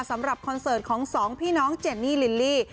สำหรับคอนเสิร์ตของ๒พี่น้องเจนนี่ลิลลี่